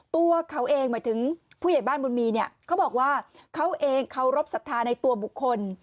ตัวเขาเองหมายถึงผู้ใหญ่บ้านบุญมีเนี่ยเขาบอกว่าเขาเองเคารพสัทธาในตัวบุคคล